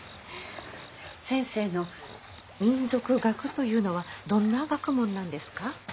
先生の民俗学というのはどんな学問なんですか？